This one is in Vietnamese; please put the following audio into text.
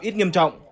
ít nhiều hơn